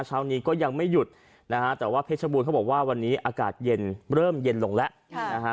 เช้านี้ก็ยังไม่หยุดนะฮะแต่ว่าเพชรบูรณเขาบอกว่าวันนี้อากาศเย็นเริ่มเย็นลงแล้วนะฮะ